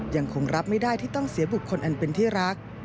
ยังคงรับไม่ได้ที่ต้องเสียบุคคลอันเป็นที่รัก